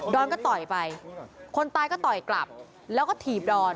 อนก็ต่อยไปคนตายก็ต่อยกลับแล้วก็ถีบดอน